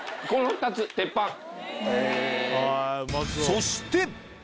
そして！